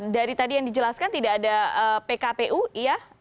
dari tadi yang dijelaskan tidak ada pkpu iya